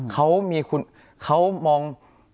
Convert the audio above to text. เขามอง